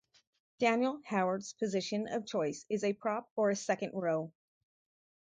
Daniel Howard's position of choice is a prop or a second-row.